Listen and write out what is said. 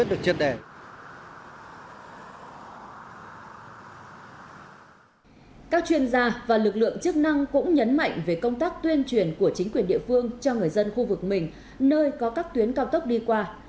điều chức năng cũng nhấn mạnh về công tác tuyên truyền của chính quyền địa phương cho người dân khu vực mình nơi có các tuyến cao tốc đi qua